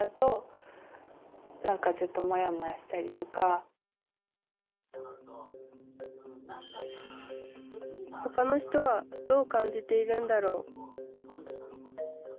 例えばほかの人はどう感じているんだろう？